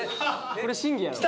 これ審議やろ。